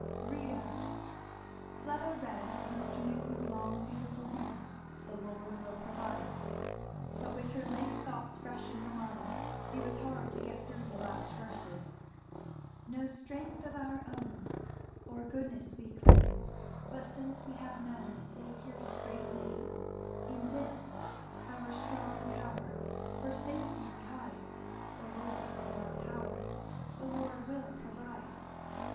"Read out." Fleda read Mr. Newton's long beautiful hymn, "The Lord will provide;" but with her late thoughts fresh in her mind it was hard to get through the last verses; "No strength of our own, Or goodness we claim; But since we have known The Saviour's great name, In this, our strong tower, For safety we hide: The Lord is our power, The Lord will provide.